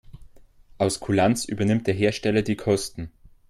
Aus Kulanz übernimmt der Hersteller die Kosten.